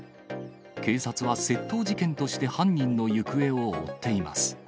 警察は窃盗事件として犯人の行方を追っています。